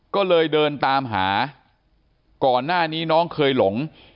ก็เลยเดินตามหาก่อนหน้านี้น้องเคยหลง